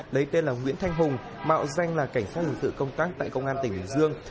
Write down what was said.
đấy tên là nguyễn thanh hùng mạo danh là cảnh sát dự tự công tác tại công an tỉnh bình dương